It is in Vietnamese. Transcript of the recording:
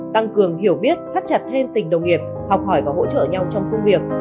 tăng cường hiểu biết thắt chặt thêm tình đồng nghiệp học hỏi và hỗ trợ nhau trong công việc